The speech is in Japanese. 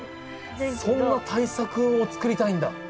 そんな大作を作りたいんだ？